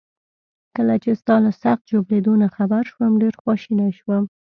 کله چي ستا له سخت ژوبلېدو نه خبر شوم، ډیر خواشینی شوم.